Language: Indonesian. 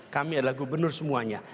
kami adalah gubernur semuanya